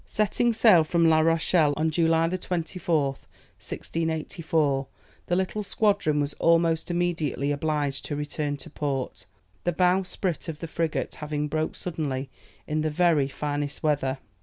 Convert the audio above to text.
Setting sail from La Rochelle, on July 24th, 1684, the little squadron was almost immediately obliged to return to port, the bowsprit of the frigate having broken suddenly in the very finest weather.